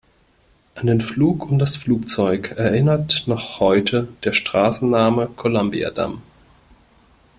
An den Flug und das Flugzeug erinnert noch heute der Straßenname Columbiadamm.